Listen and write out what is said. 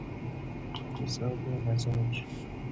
فساد مزاج